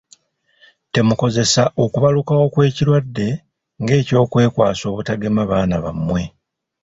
Temukozesa okubalukawo kw'ekirwadde nga eky'okwekwasa obutagema baana bammwe.